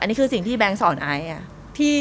อันนี้คือสิ่งที่แบงส์สอนไอ้อ่ะ